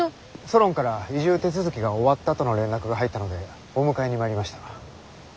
ソロンから移住手続きが終わったとの連絡が入ったのでお迎えに参りました。